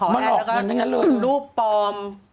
มาขอแอดแล้วก็ดูรูปปอม